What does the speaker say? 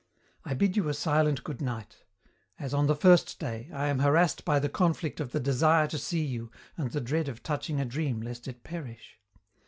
"'I bid you a silent goodnight. As on the first day, I am harassed by the conflict of the desire to see you and the dread of touching a dream lest it perish.